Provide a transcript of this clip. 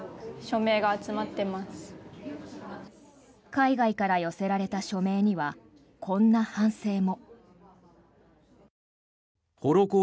海外から寄せられた署名にはこんな反省も。